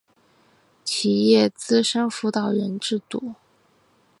企业资深辅导人制度